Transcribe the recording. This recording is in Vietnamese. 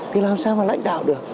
thì làm sao mà lãnh đạo được